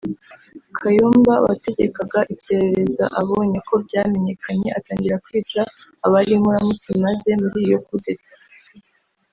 Kayumba wategekaga iperereza abonye ko byamenyekanye atangira kwica abari inkoramutima ze muri iyo Coup d’Etat